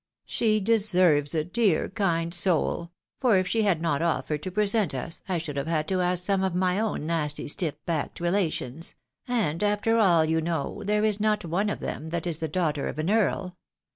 She deserves it, dear kind soul ! for if she had not offered to present us I should have had to ask some of my own nasty stiff backed relations ; and, after all, you know, there is not one of them that is the daughter of an earl.